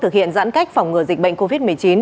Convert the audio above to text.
thực hiện giãn cách phòng ngừa dịch bệnh covid một mươi chín